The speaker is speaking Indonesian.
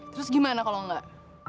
terus gimana kalau enggak